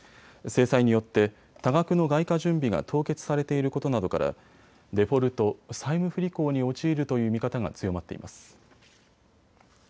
制裁によって多額の外貨準備が凍結されていることなどからデフォルト・債務不履行に陥るという見方が強まっています。